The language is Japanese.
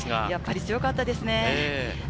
やっぱり強かったですね。